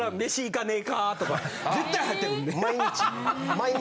毎日。